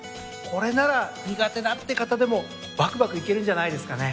これなら苦手だって方でもバクバクいけるんじゃないですかね。